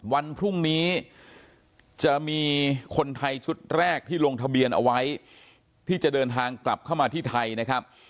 วันพรุ่งนี้จะมีคนไทยชุดแรกที่ลงทะเบียนเอาไว้ที่จะเดินทางกลับเข้ามาที่ไทยนะครับ